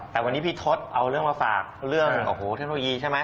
แต่วันนี้พี่ทศเอาเรื่องมาฝากเรื่องโอ้โหเทคโนโลยีใช่ไหม